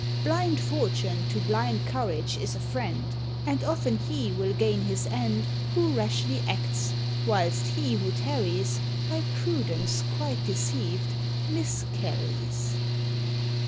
Blind fortune to blind courage is a friend; And often he will gain his end Who rashly acts; whilst he who tarries, By prudence quite deceived, miscarries.